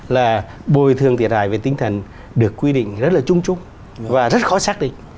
là bồi thường thiệt hại về tinh thần được quy định rất là chung chung và rất khó xác định